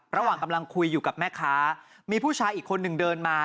ระหว่างกำลังคุยอยู่กับแม่ค้ามีผู้ชายอีกคนหนึ่งเดินมา